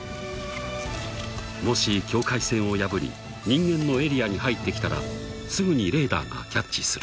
［もし境界線を破り人間のエリアに入ってきたらすぐにレーダーがキャッチする］